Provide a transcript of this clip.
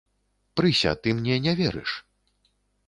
Прыся, ты мне не верыш.